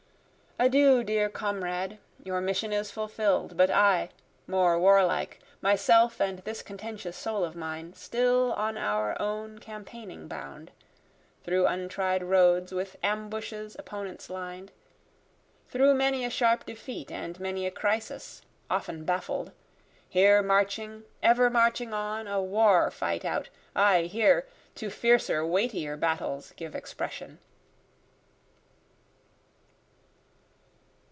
Adieu dear comrade, Your mission is fulfill'd but I, more warlike, Myself and this contentious soul of mine, Still on our own campaigning bound, Through untried roads with ambushes opponents lined, Through many a sharp defeat and many a crisis, often baffled, Here marching, ever marching on, a war fight out aye here, To fiercer, weightier battles give expression.